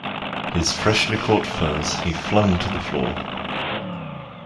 His freshly caught furs he flung to the floor.